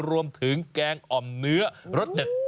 รวมถึงแกงอ่อมเนื้อรสเด็ด